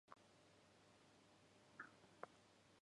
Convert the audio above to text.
魔王に占拠された東京を取り戻す。それがストーリーだった。